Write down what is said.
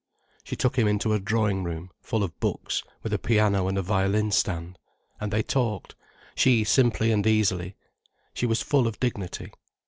She took him into a drawing room, full of books, with a piano and a violin stand. And they talked, she simply and easily. She was full of dignity.